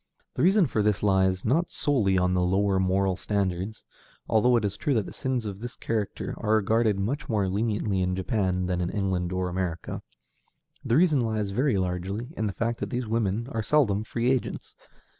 The reason for this lies, not solely in the lower moral standards although it is true that sins of this character are regarded much more leniently in Japan than in England or America. The reason lies very largely in the fact that these women are seldom free agents.